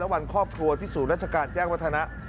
วันครอบครัวที่ศูนย์ราชการแจ้งวัฒนะ